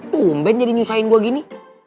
bomben jadi nyusahin gue gini